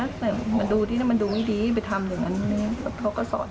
แต่มันดูที่ถ้ามันดูไม่ดีไปทำอย่างนั้นเขาก็สอน